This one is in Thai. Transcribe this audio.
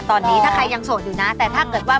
ตอนนี้ถ้าใครยังโสดอยู่นะ